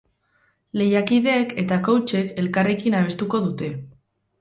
Lehiakideek eta coach-ek elkarrekin abestuko dute.